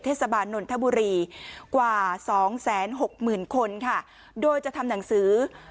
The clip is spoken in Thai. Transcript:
เทศบาลนนทบุรีกว่าสองแสนหกหมื่นคนค่ะโดยจะทำหนังสือ